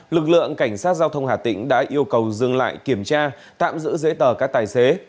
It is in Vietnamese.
lực lượng cảnh sát giao thông hà tĩnh đã yêu cầu dừng lại kiểm tra tạm giữ giấy tờ các tài xế